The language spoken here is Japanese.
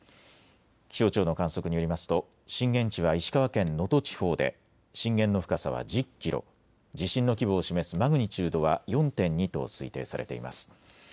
気象庁の観測によりますと震源地は石川県能登地方で震源の深さは１０キロ、地震の規模を示すマグニチュードは４．２と推定されています。